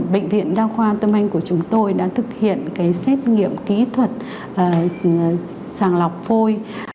bệnh viện đa khoa tâm anh của chúng tôi đã thực hiện xét nghiệm kỹ thuật sàng lọc phôi